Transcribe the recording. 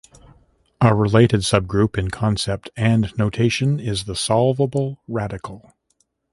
A related subgroup in concept and notation is the solvable radical.